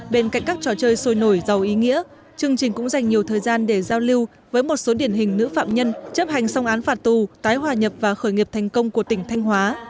bên cạnh các trò chơi sôi nổi giàu ý nghĩa chương trình cũng dành nhiều thời gian để giao lưu với một số điển hình nữ phạm nhân chấp hành xong án phạt tù tái hòa nhập và khởi nghiệp thành công của tỉnh thanh hóa